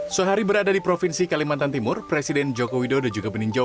sehari berada di provinsi kalimantan timur presiden joko widodo juga meninjau